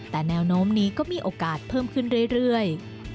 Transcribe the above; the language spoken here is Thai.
แต่แนวโน้มนี้ก็มีโอกาสเพิ่มขึ้นเรื่อย